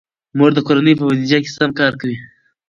مور د کورنۍ په بودیجه سم کار کوي.